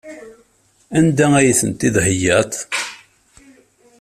Anda ay tent-id-theyyaḍ?